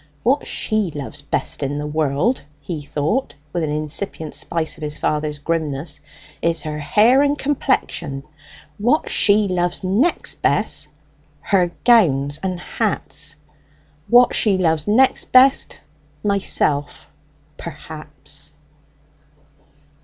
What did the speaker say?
"What she loves best in the world," he thought, with an incipient spice of his father's grimness, "is her hair and complexion. What she loves next best, her gowns and hats; what she loves next best, myself, perhaps!"